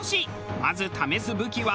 まず試す武器は。